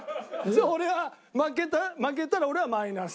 俺は負けたら俺はマイナス。